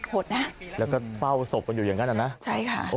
หดนะแล้วก็เฝ้าศพกันอยู่อย่างนั้นอ่ะนะใช่ค่ะ